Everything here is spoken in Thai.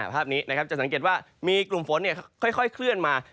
ภาพนี้นะครับจะสังเกตว่ามีกลุ่มฝนค่อยเคลื่อนมา